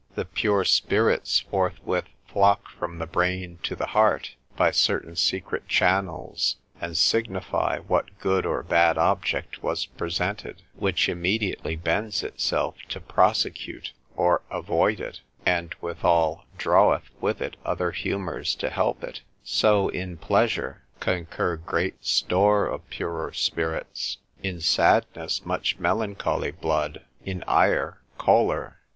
The pure spirits forthwith flock from the brain to the heart, by certain secret channels, and signify what good or bad object was presented; which immediately bends itself to prosecute, or avoid it; and withal, draweth with it other humours to help it: so in pleasure, concur great store of purer spirits; in sadness, much melancholy blood; in ire, choler.